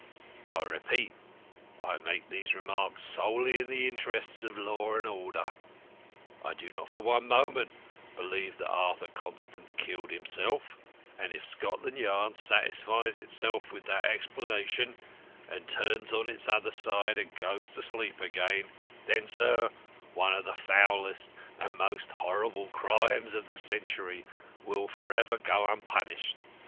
I repeat, I make these remarks solely in the interest of law and order. I do not for one moment believe that Arthur Constant killed himself, and if Scotland Yard satisfies itself with that explanation, and turns on its other side and goes to sleep again, then, sir, one of the foulest and most horrible crimes of the century will for ever go unpunished.